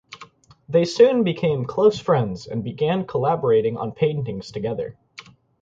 They soon became close friends and began collaborating on paintings together.